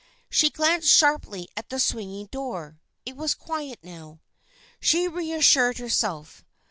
She glanced sharply at the swinging door. It was quiet now. She reassured herself.